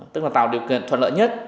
tức là tạo điều kiện thuận lợi nhất